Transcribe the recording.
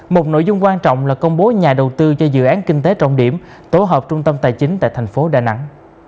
một nội dung quan trọng là công bố nhà đầu tư cho dự án kinh tế trọng điểm tổ hợp trung tâm tài chính tại thành phố đà nẵng